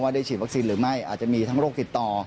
ได้ฉีดวัคซีนหรือไม่อาจจะมีทั้งโรคติดต่อ